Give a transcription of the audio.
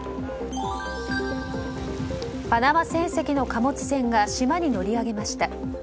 パナマ船籍の貨物船が島に乗り上げました。